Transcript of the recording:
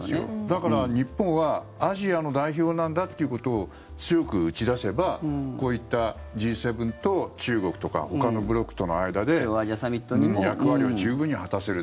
だから日本はアジアの代表なんだってことを強く打ち出せばこういったＧ７と中国とか中央アジアサミットにも。役割を十分に果たせる。